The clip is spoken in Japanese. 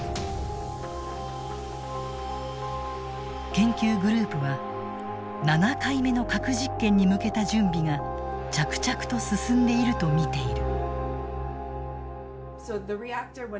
研究グループは７回目の核実験に向けた準備が着々と進んでいると見ている。